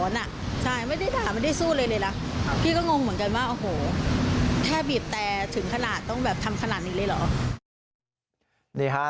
นี่ฮะ